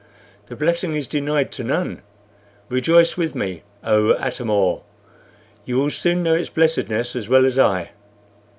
The blessing is denied to none. Rejoice with me, oh Atam or! you will soon know its blessedness as well as I."